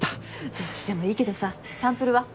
どっちでもいいけどさサンプルは？